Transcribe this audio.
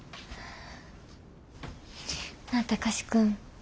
なあ貴司君